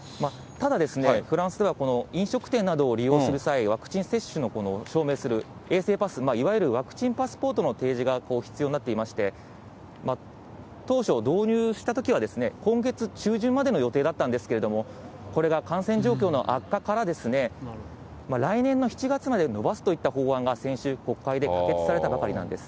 ただですね、フランスでは飲食店などを利用する際、ワクチン接種の、この証明をする衛生パス、いわゆるワクチンパスポートの提示が必要になっていまして、当初導入したときは、今月中旬までの予定だったんですけれども、これが感染状況の悪化から、来年の７月まで延ばすといった法案が、先週、国会で可決されたばかりなんです。